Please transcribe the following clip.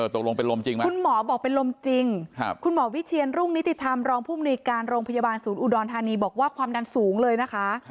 ตกลงเป็นลมจริงไหมคุณหมอบอกเป็นลมจริงคุณหมอวิเชียนรุ่งนิติธรรมรองผู้มนุยการโรงพยาบาลศูนย์อุดรธานีบอกว่าความดันสูงเลยนะคะ